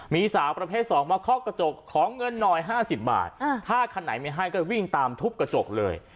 มีสาวประเภท๒มาเคาะกระจกขอเงินหน่อย๕๐บาทถ้าคันไหนไม่ให้ก็วิ่งตามทุบกระจกเลย